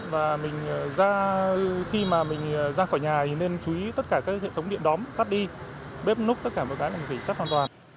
và mình ra khi mà mình ra khỏi nhà thì nên chú ý tất cả các hệ thống điện đóng tắt đi bếp núp tất cả mọi cái làm gì tắt hoàn toàn